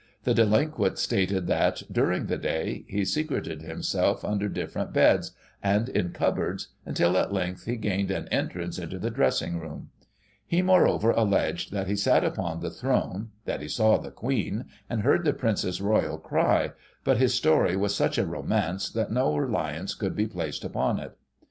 The delinquent stated that, during the day, he secreted himself under different beds, and in cupboards, until, at length, he gained an entrance into the dressing room ; he, moreover, alleged that he sat upon the throne, that he saw the Queen, and heard the Princess Royal cry, but his story was such a romance, that no reliance could be placed upon it.